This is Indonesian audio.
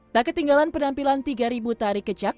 tak ketinggalan penampilan tiga ribu tari kecak